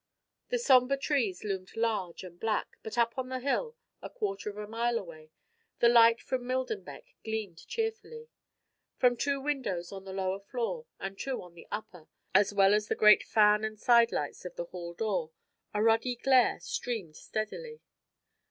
The somber trees loomed large and black, but up on the hill, a quarter of a mile away, the light from Millenbeck gleamed cheerfully. From two windows on the lower floor and two on the upper, as well as the great fan and side lights of the hall door, a ruddy glare streamed steadily.